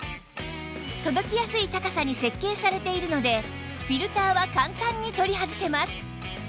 届きやすい高さに設計されているのでフィルターは簡単に取り外せます